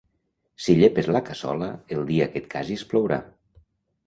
Si llepes la cassola, el dia que et casis plourà.